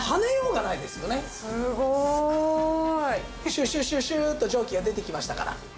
シュシュシュシューッと蒸気が出てきましたから。